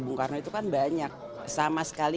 bung karno itu kan banyak sama sekali